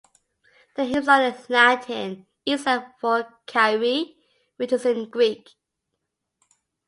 The hymns are in Latin, except for Kyrie, which is in Greek.